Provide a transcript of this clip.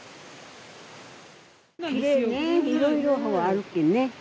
きれいね、いろいろあるけんね。